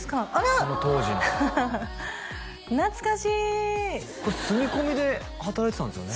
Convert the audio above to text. その当時の懐かしいこれ住み込みで働いてたんですよね